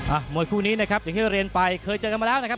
มวยคู่นี้นะครับอย่างที่เรียนไปเคยเจอกันมาแล้วนะครับ